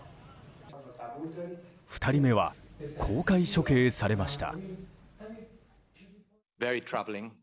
２人目は、公開処刑されました。